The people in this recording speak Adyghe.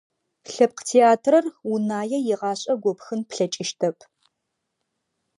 Лъэпкъ театрэр Унае игъашӀэ гопхын плъэкӀыщтэп.